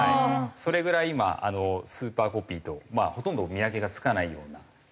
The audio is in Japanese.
それぐらい今スーパーコピーとほとんど見分けがつかないようなそういったもの